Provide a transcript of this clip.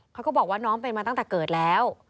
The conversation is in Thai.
เขาก็บอกว่าน้องเป็นมาตั้งแต่เกิดแล้ว